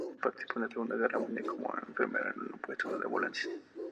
Participó en la Segunda Guerra Mundial como enfermero en un puesto de ambulancias.